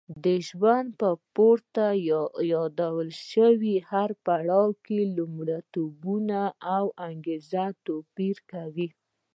د ژوند په پورته یاد شوي هر پړاو کې لومړیتوبونه او انګېزه توپیر کوي.